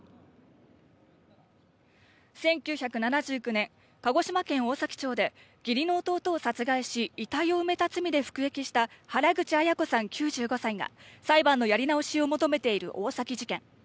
１９７９年、鹿児島県大崎町で義理の弟を殺害し、遺体を埋めた罪で服役した原口アヤ子さん、９５歳が裁判のやり直しを求めている大崎事件。